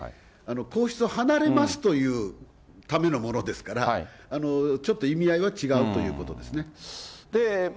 皇室を離れますというためのものですから、ちょっと意味合いは違うということですね。